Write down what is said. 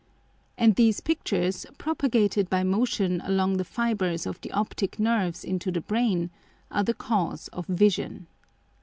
And these Pictures, propagated by Motion along the Fibres of the Optick Nerves into the Brain, are the cause of Vision.